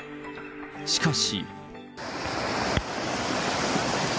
しかし。